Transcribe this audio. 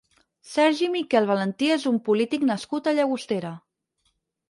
Sergi Miquel Valentí és un polític nascut a Llagostera.